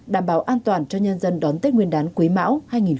đảm bảo an toàn cho nhân dân đón tết nguyên đán quý mão hai nghìn hai mươi